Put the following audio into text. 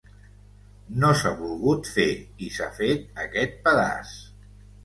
No s’ha volgut fer, i s’ha fet aquest pedaç.